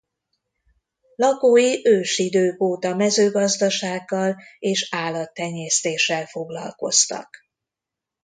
Lakói ősidők óta mezőgazdasággal és állattenyésztéssel foglalkoztak.